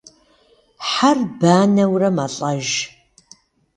Хьэр банэурэ мэлӏэж.